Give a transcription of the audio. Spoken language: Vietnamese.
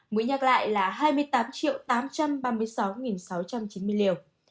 mũi nhắc lại là hai mươi tám tám trăm ba mươi sáu sáu trăm chín mươi liều